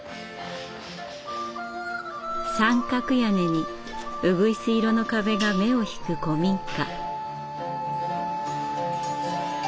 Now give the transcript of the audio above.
三角屋根にウグイス色の壁が目を引く古民家。